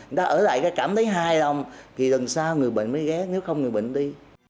người ta ở lại cái cảm thấy hài lòng thì lần sao người bệnh mới ghé nếu không người bệnh đi